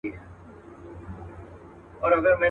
هغه که له دې چوکاټ څخه ووتله